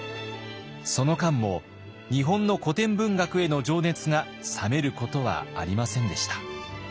その間も日本の古典文学への情熱が冷めることはありませんでした。